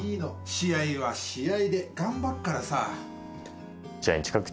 試合は試合で頑張るからさ。